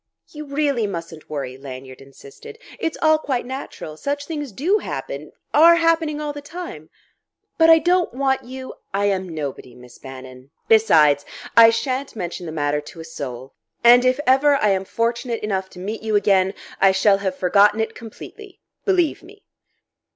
"You really mustn't worry," Lanyard insisted. "It's all quite natural such things do happen are happening all the time " "But I don't want you " "I am nobody, Miss Bannon. Besides I shan't mention the matter to a soul. And if ever I am fortunate enough to meet you again, I shall have forgotten it completely believe me."